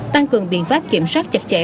tăng cường biện pháp kiểm soát chặt chẽ